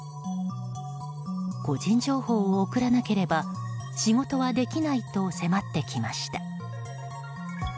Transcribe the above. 個人情報を送らなければ仕事はできないと迫ってきました。